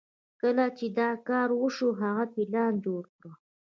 کله چې دا کار وشو هغه پلان جوړ کړ.